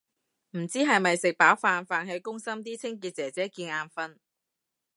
唔知係咪食飽飯，飯氣攻心啲清潔姐姐見眼訓